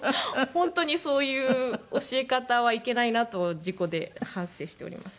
本当にそういう教え方はいけないなと自己で反省しております。